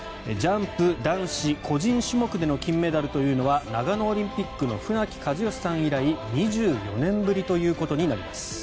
ジャンプ男子個人種目での金メダルというのは長野オリンピックの船木和喜さん以来２４年ぶりということになります。